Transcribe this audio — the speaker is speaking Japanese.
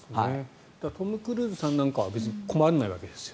だからトム・クルーズさんなんかは別に困らないわけですよ。